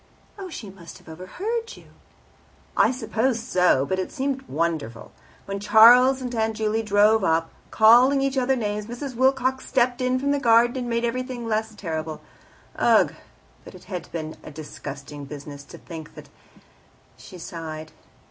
"Oh, she must have overheard you." "I suppose so, but it seemed wonderful. When Charles and Aunt Juley drove up, calling each other names, Mrs. Wilcox stepped in from the garden and made everything less terrible. Ugh! but it has been a disgusting business. To think that " She sighed.